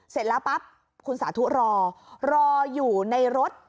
เสร็จแล้วปั๊บคุณสาธุรอรออยู่ในรถ